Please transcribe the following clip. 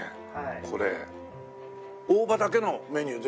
大葉だけのメニュー？